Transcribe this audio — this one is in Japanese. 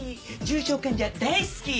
「重症患者大好き」